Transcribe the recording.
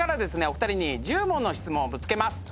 お二人に１０問の質問をぶつけます。